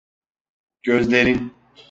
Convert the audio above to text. Gözlerin…